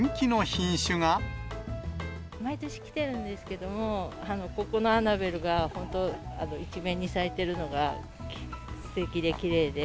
毎年来てるんですけれども、ここのアナベルが本当、一面に咲いているのがすてきで、きれいで。